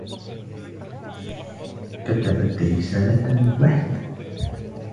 كتبَت رسالة واحدة.